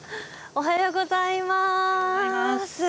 おはようございます。